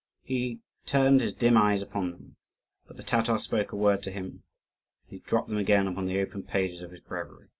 He turned his dim eyes upon them; but the Tatar spoke a word to him, and he dropped them again upon the open pages of his breviary.